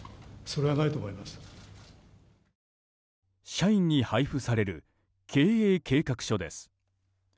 社員に配布される経営計画書です。